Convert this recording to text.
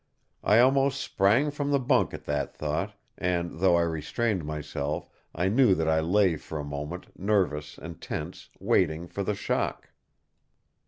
I almost sprang from the bunk at that thought; and, though I restrained myself, I know that I lay for a moment, nervous and tense, waiting for the shock.